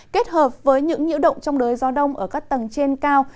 kết hợp với những nhiễu động trong đới gió đông ở các tầng trên cao